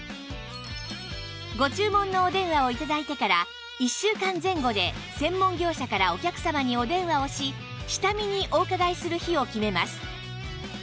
ご注文のお電話を頂いてから１週間前後で専門業者からお客様にお電話をし下見にお伺いする日を決めます